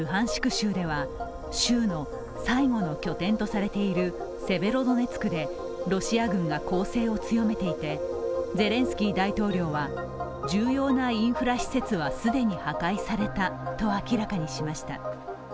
州では州の最後の拠点とされているセベロドネツクでロシア軍が攻勢を強めていて、ゼレンスキー大統領は重要なインフラ施設は既に破壊されたと明らかにしました。